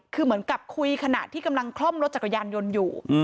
คือเหมือนกับคุยขณะที่กำลังคล่อมรถจักรยานยนต์อยู่